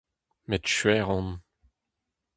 Met skuizh on.